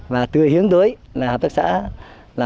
và tư meine hướng tới là hợp tác xã